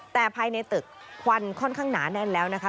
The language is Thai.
แต่ภายในตึกควันค่อนข้างหนาแน่นแล้วนะคะ